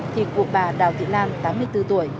thì cụ bà đào thị nam tám mươi bốn tuổi